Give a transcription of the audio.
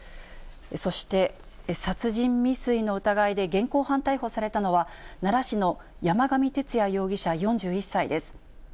そして、殺人未遂の疑いで現行犯逮捕されたのは、奈良市の山上徹也容疑者４１歳です。